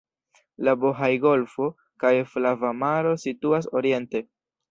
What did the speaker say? La Bohaj-golfo kaj Flava Maro situas oriente.